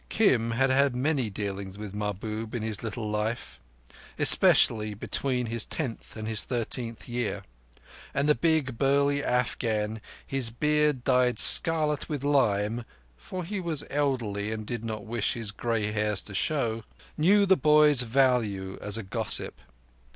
Kim had had many dealings with Mahbub in his little life, especially between his tenth and his thirteenth year—and the big burly Afghan, his beard dyed scarlet with lime (for he was elderly and did not wish his grey hairs to show), knew the boy's value as a gossip.